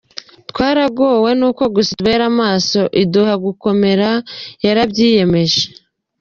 Twaragowe nuko gusa itubera maso, iduha gukomera yarabyiyemeje".